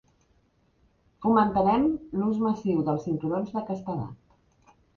Fomentaren l'ús massiu dels cinturons de castedat.